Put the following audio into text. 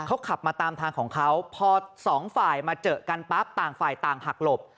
เขาขับมาตามทางของเขาพอสองฝ่ายมาเจอกันปั๊บต่างฝ่ายต่างหักหลบ